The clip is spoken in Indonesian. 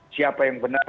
siapa yang benar